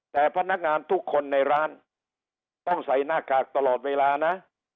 แต่พนักงานทุกคนในร้านต้องใส่หน้ากากตลอดเวลานะ